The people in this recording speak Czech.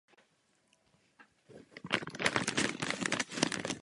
Byl aktivní v studentské sionistické organizaci v Rize.